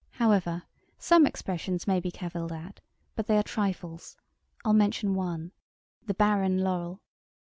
However, some expressions may be cavilled at, but they are trifles. I'll mention one. The barren Laurel.